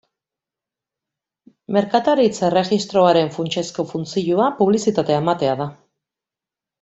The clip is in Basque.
Merkataritza erregistroaren funtsezko funtzioa publizitatea ematea da.